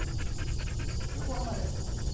横浜です。